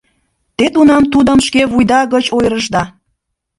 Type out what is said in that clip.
Те тунам тудым шке вуйда гыч ойырышда.